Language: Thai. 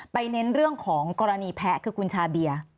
เน้นเรื่องของกรณีแพ้คือคุณชาเบีย